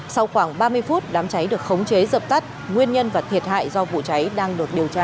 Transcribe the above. sau khoảng ba mươi phút đám cháy được khống chế dập tắt nguyên nhân và thiệt hại do vụ cháy đang được điều tra